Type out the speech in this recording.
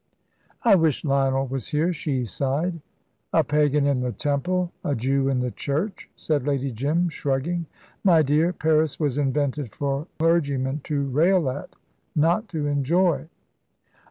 "I wish Lionel was here," she sighed. "A Pagan in the temple, a Jew in the church," said Lady Jim, shrugging. "My dear, Paris was invented for clergymen to rail at, not to enjoy."